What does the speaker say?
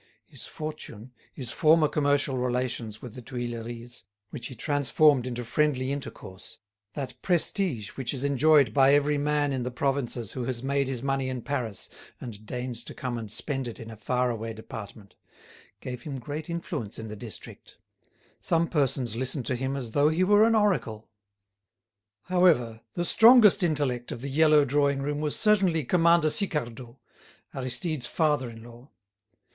His fortune, his former commercial relations with the Tuileries, which he transformed into friendly intercourse, that prestige which is enjoyed by every man in the provinces who has made his money in Paris and deigns to come and spend it in a far away department, gave him great influence in the district; some persons listened to him as though he were an oracle. However, the strongest intellect of the yellow drawing room was certainly Commander Sicardot, Aristide's father in law.